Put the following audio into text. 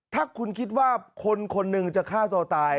ถ้าคุณคิดว่าคนคนหนึ่งจะฆ่าตัวตาย